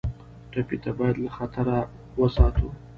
ټپي ته باید له خطره وساتو.